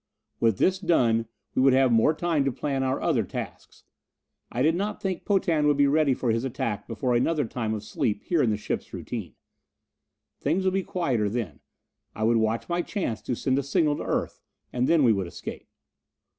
With this done we would have more time to plan our other tasks. I did not think Potan would be ready for his attack before another time of sleep here in the ship's routine. Things would be quieter then I would watch my chance to send a signal to Earth, and then we would escape.